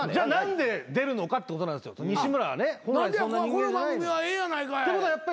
この番組はええやないかい。ってことはやっぱね